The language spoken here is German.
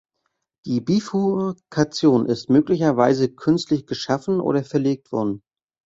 Die Bifurkation ist möglicherweise künstlich geschaffen oder verlegt worden.